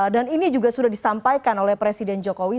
dan ini juga sudah disampaikan oleh presiden jokowi